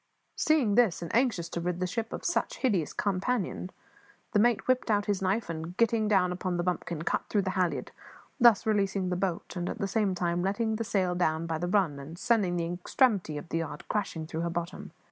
Seeing this, and anxious to rid the ship of such hideous companionship, the mate whipped out his knife and, getting down upon the bumpkin, cut through the halliard, thus releasing the boat and, at the same time, letting the sail down by the run and sending the extremity of the yard crashing through her bottom.